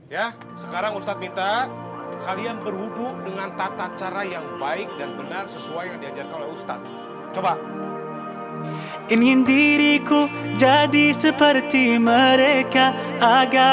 ya sekarang ustadz minta kalian berwudhu dengan tata cara yang baik dan benar sesuai yang diajarkan oleh ustadz